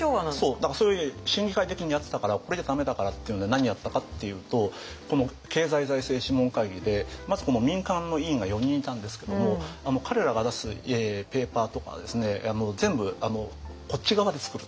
そうだからそれを審議会的にやってたからこれじゃだめだからっていうので何やったかっていうとこの経済財政諮問会議でまずこの民間の委員が４人いたんですけども彼らが出すペーパーとかですね全部こっち側で作ると。